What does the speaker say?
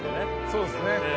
そうですね